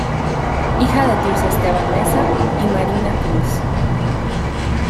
Hija de Tirso Esteban Meza y de Marina Cruz.